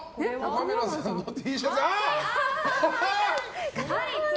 カメラさんのＴシャツ。